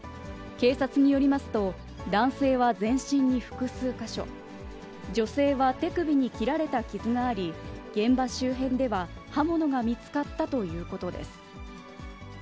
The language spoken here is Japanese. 警察によりますと、男性は全身に複数箇所、女性は手首に切られた傷があり、現場周辺では、刃物が見つかったということです。